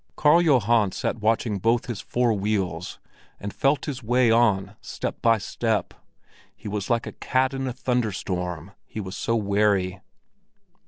Karl Johan sat watching both his fore wheels, and felt his way on step by step; he was like a cat in a thunderstorm, he was so wary.